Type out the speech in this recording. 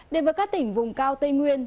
đến với các tỉnh vùng cao tây nguyên